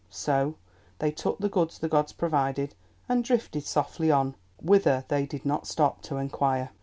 So they took the goods the gods provided, and drifted softly on—whither they did not stop to inquire.